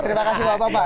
terima kasih bapak bapak